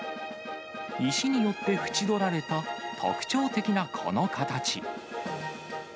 石によって縁取られた特徴的なこの形。